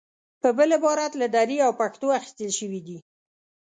په بل عبارت له دري او پښتو اخیستل شوې دي.